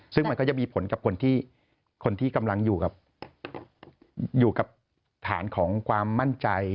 ซึ่งมันก็จะมีผลกับคนที่คนที่กำลังอยู่กับฐานของความมั่นใจ